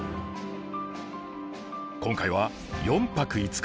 今回は４泊５日。